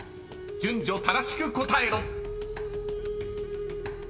順序正しく答えろ］